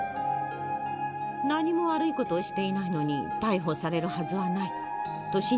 「何も悪い事をしていないのに逮捕されるはずはないと信じていました。